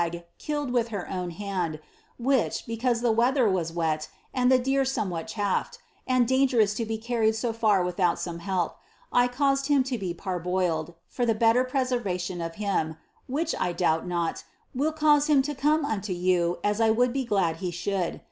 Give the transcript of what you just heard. killed with her ovm hand; which, because the weather was wet, and the ittT fomeM'hat chafed, and dangerous to be carried so far without some help, I raiiiied him to be parboikd^ for the better prefervation of him, which. I doubt not, vill can^e him to come unto you as I would l>c glad he .should.